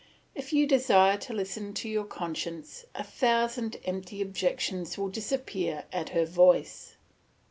If you desire to listen to your conscience, a thousand empty objections will disappear at her voice.